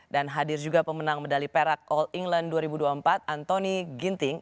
dan hadir juga pemenang medali perak all england dua ribu dua puluh empat anthony ginting